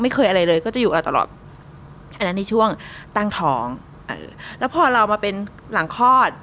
อะไรเลยก็จะอยู่กับตลอดอันนั้นในช่วงตั้งท้องเออแล้วพอเรามาเป็นหลังคลอด